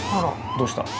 どうした？